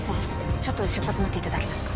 ちょっと出発待っていただけますか？